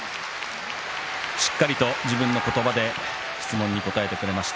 しっかりと自分の言葉で質問に答えてくれました。